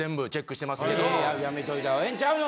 やめといた方がええんちゃうの？